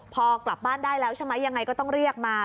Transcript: พอกลับบ้านได้แล้วใช่ไหมยังไงก็ต้องเรียกมา